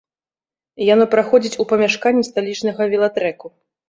Яно праходзіць у памяшканні сталічнага велатрэку.